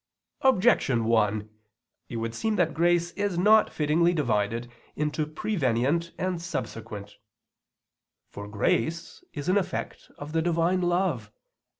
Objection 1: It would seem that grace is not fittingly divided into prevenient and subsequent. For grace is an effect of the Divine love.